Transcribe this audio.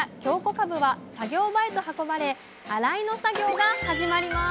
かぶは作業場へと運ばれ洗いの作業が始まります